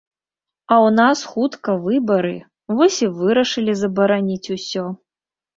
А ў нас хутка выбары, вось і вырашылі забараніць усё.